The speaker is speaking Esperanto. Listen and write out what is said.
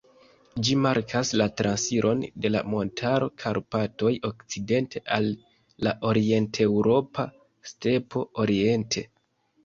Ĝi markas la transiron de la montaro Karpatoj okcidente al la orienteŭropa stepo oriente.